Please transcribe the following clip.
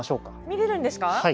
見れるんですか？